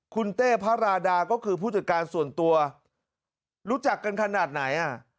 คุณเต้พระราดาก็คือผู้จัดการส่วนตัวรู้จักกันขนาดไหนอ่ะ